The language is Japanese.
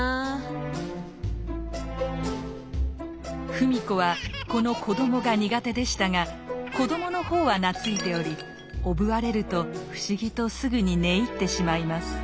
芙美子はこの子どもが苦手でしたが子どもの方は懐いておりおぶわれると不思議とすぐに寝入ってしまいます。